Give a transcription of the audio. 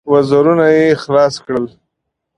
وزرونه يې خلاص کړل.